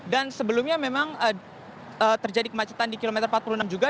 dan sebelumnya memang terjadi kemacetan di kilometer empat puluh enam juga